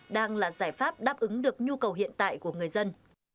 đang là giải pháp đáp ứng được nhu cầu hiện tại của người dân